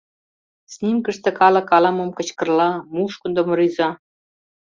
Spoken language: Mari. Снимкыште калык ала-мом кычкырла, мушкындым рӱза.